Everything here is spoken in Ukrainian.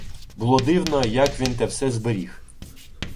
Було дивно, як він те все зберіг.